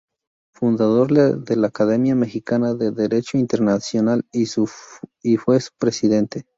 Fundador de la Academia Mexicana de Derecho Internacional y fue su Presidente.